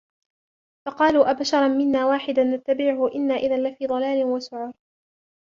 فَقَالُوا أَبَشَرًا مِّنَّا وَاحِدًا نَّتَّبِعُهُ إِنَّا إِذًا لَّفِي ضَلالٍ وَسُعُرٍ